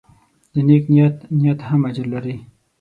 د نیک نیت نیت هم اجر لري.